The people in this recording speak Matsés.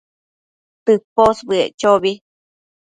tëposbëec chobi